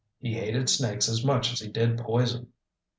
He hated snakes as much as he did poison.